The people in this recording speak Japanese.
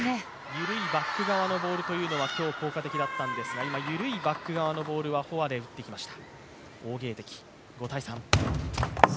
緩いバック側のボールというのは今日効果的だったんですが、今、緩いバック側のボールはフォアで打ってきました。